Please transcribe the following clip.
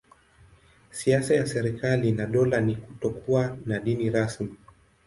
Siasa ya serikali na dola ni kutokuwa na dini rasmi.